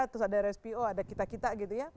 terus ada spo ada kita kita